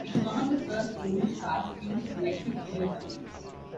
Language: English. It was one of the first English cars to use an electric fuel pump.